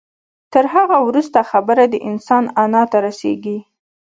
تر هغه وروسته خبره د انسان انا ته رسېږي.